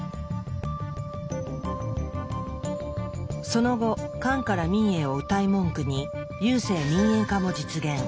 その後「官から民へ」をうたい文句に郵政民営化も実現。